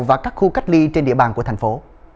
và các khu cách ly trên địa bàn của thành phố